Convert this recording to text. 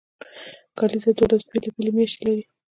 کلیزه دولس بیلې بیلې میاشتې لري.